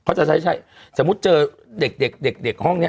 จะใช้สมมุติเจอเด็กเด็กห้องนี้